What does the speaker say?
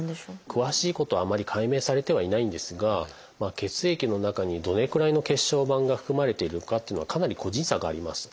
詳しいことはあまり解明されてはいないんですが血液の中にどれくらいの血小板が含まれているかっていうのはかなり個人差があります。